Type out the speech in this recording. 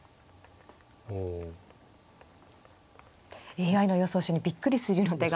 ＡＩの予想手にびっくりするような手が。